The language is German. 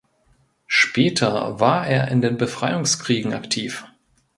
Später war er in den Befreiungskriegen aktiv.